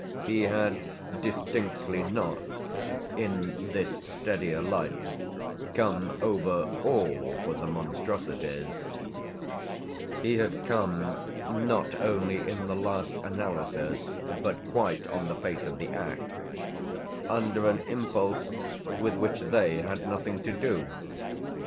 He had distinctly not, in this steadier light, come over all for the monstrosities; he had come, not only in the last analysis but quite on the face of the act, under an impulse with which they had nothing to do.